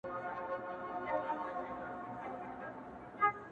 o خیال دي.